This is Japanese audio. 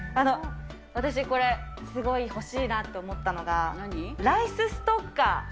私、これ、すごい欲しいなと思ったのが、ライスストッカー。